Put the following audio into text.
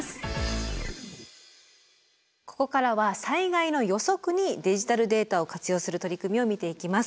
ここからは災害の予測にデジタルデータを活用する取り組みを見ていきます。